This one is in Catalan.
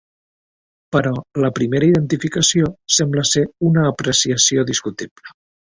Però la primera identificació sembla ser una apreciació discutible.